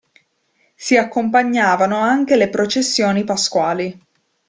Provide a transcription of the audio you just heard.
Si accompagnavano anche le processioni pasquali.